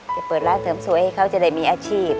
เปิดร้านเสริมสวยให้เขาจะได้มีอาชีพ